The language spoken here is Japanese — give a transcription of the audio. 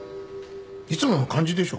いつもの感じでしょ。